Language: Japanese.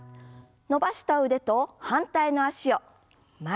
伸ばした腕と反対の脚を前です。